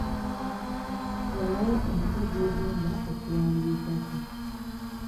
Salawo omutwe gw'ogenda okuwandiikako.